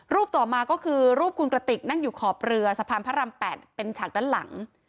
ต่อมาก็คือรูปคุณกระติกนั่งอยู่ขอบเรือสะพานพระราม๘เป็นฉากด้านหลัง